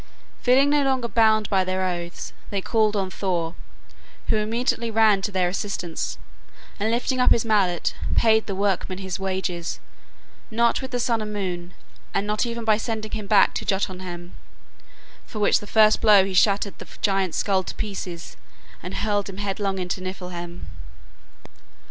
Feeling no longer bound by their oaths, they called on Thor, who immediately ran to their assistance, and lifting up his mallet, paid the workman his wages, not with the sun and moon, and not even by sending him back to Jotunheim, for with the first blow he shattered the giant's skull to pieces and hurled him headlong into Niffleheim.